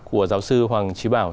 của giáo sư hoàng trí bảo